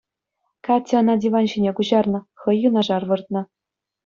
Катя ӑна диван ҫине куҫарнӑ, хӑй юнашар выртнӑ.